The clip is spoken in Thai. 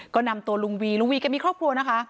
ก็นำตัวลุงวีลุงวีแกมีครอบครัวนะคะ